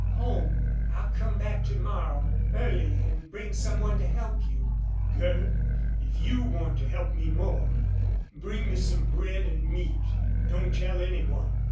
"Home. I'll come back to morrow, early, and bring some one to help you " "Girl, if YOU want to help me more bring me some bread an' meat. Don't tell any one.